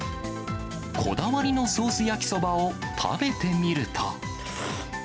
こだわりのソース焼きそばを食べてみると。